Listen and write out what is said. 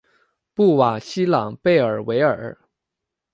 布瓦西朗贝尔维尔。